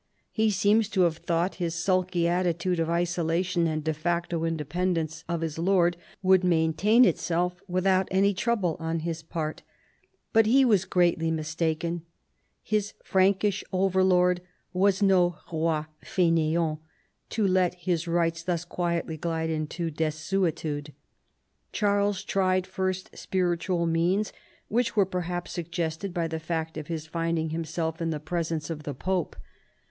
He seems to have thought his sulky attitude of isolation and de facto indepen dence of his lord would maintain itself without any trouble on his part, but he was greatly mistaken. His Prankish over lord was no roi faineant to let his rights thus quietly glide into desuetude. Charles tried first spiritual means, Avhich were perhaps suggested by the fact of his finding himself in the presence of the pope.